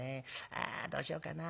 ああどうしようかな。